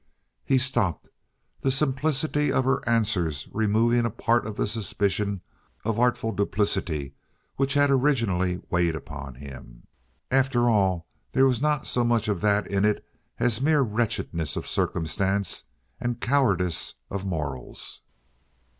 He stopped, the simplicity of her answers removing a part of the suspicion of artful duplicity which had originally weighed upon him. After all, there was not so much of that in it as mere wretchedness of circumstance and cowardice of morals.